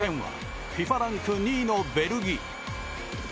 第２戦はＦＩＦＡランク２位のベルギー。